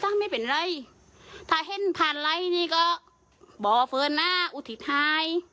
เอาไปต่อไม่เป็นไรถ้าเห็นผ่านไรก็บอกเฟิร์นนะอุธิภาย